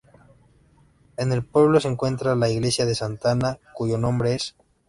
En el pueblo se encuentra la iglesia de Santa Ana, cuyo nombre es.